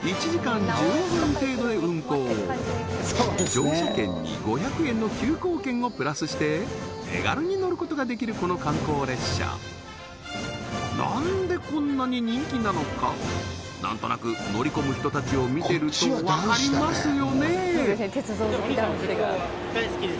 乗車券に５００円の急行券をプラスして手軽に乗ることができるこの観光列車なんでこんなに人気なのかなんとなく乗り込む人たちを見てるとわかりますよね？